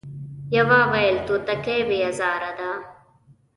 يوه ويل توتکۍ بې ازاره ده ،